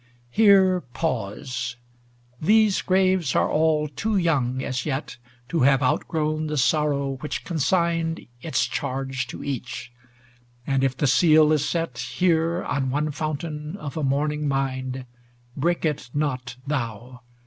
LI Here pause: these graves are all too young as yet To have outgrown the sorrow which con signed Its charge to each; and if the seal is set, Here, on one fountain of a mourning mind, Break it not thou